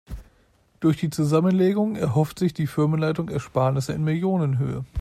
Durch die Zusammenlegung erhofft sich die Firmenleitung Ersparnisse in Millionenhöhe.